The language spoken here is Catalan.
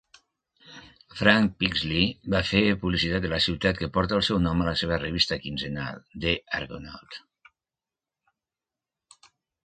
Frank Pixley va fer publicitat de la ciutat que porta el seu nom a la seva revista quinzenal 'The Argonaut'.